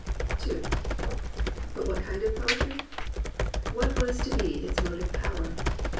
n But what kind of poetry.'' What was to be its motive power.?